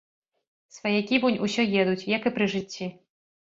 Сваякі вунь усё едуць, як і пры жыцці.